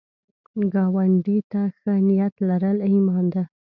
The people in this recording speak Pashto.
ګاونډي ته ښه نیت لرل ایمان ده